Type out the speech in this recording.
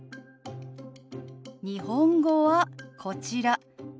日本語はこちら「何時？」